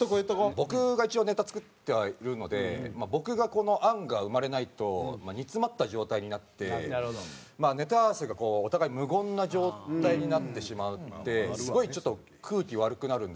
僕が一応ネタ作ってはいるので僕がこの案が生まれないと煮詰まった状態になってまあネタ合わせがこうお互い無言な状態になってしまってすごいちょっと空気悪くなるんですよ。